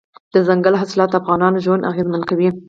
دځنګل حاصلات د افغانانو ژوند اغېزمن کوي.